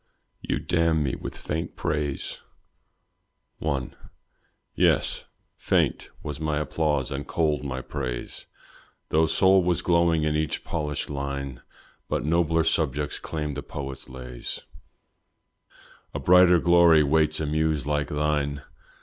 "You damn me with faint praise." I. Yes, faint was my applause and cold my praise, Though soul was glowing in each polished line; But nobler subjects claim the poet's lays, A brighter glory waits a muse like thine.